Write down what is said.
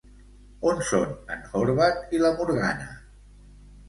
On són en Horvath i la Morgana?